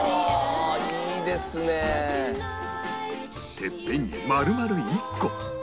てっぺんに丸々１個